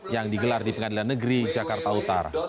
yang digelar di pengadilan negeri jakarta utara